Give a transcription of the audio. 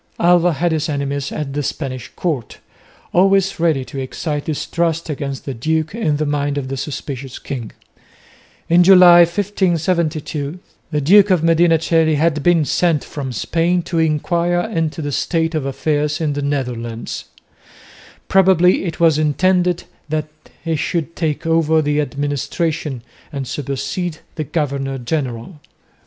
Alva had his enemies at the Spanish court, always ready to excite distrust against the duke in the mind of the suspicious king. In July, 1572, the Duke of Medina Coeli had been sent from Spain to enquire into the state of affairs in the Netherlands; probably it was intended that he should take over the administration and supersede the governor general.